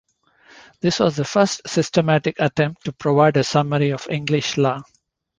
This was the first systematic attempt to provide a summary of English law.